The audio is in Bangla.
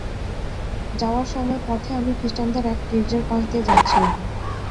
যাওয়ার সময় পথে আমি খৃষ্টানদের এক গীর্জার পাশ দিয়ে যাচ্ছিলাম।